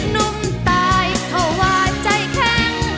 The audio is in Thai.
น้องตายเฟ้าหวาใช้แค่ง